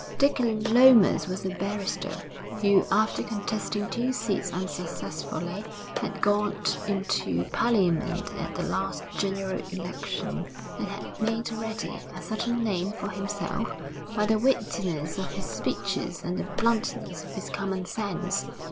Dick Lomas was a barrister, who, after contesting two seats unsuccessfully, had got into Parliament at the last general election and had made already a certain name for himself by the wittiness of his speeches and the bluntness of his common sense.